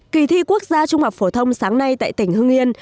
kỳ thi quốc gia trung học phổ thông sáng nay tại tỉnh hưng yên